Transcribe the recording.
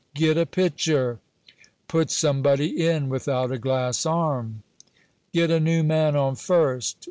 "Get a pitcher!" "Put somebody in without a glass arm!" "Get a new man on first!"